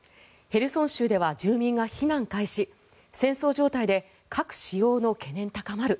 ヘルソン州では住民が避難開始戦争状態で核使用の懸念高まる？